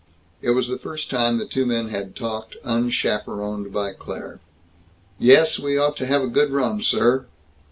It was the first time the two men had talked unchaperoned by Claire. "Yes. We ought to have a good run, sir."